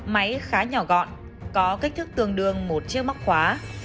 máy khá nhỏ gọn có kích thước tương đương một chiếc móc khóa